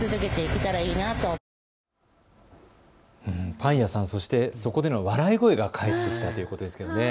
パン屋さん、そしてそこでの笑い声が帰ってきたということですよね。